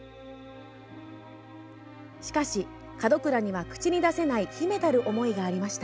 しかし、門倉には口に出せない秘めたる思いがありました。